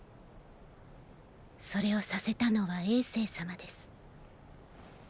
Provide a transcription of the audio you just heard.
それをさせたのは政様です。